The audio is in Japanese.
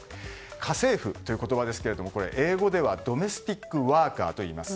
家政婦という言葉ですが英語ではドメスティックワーカーといいます。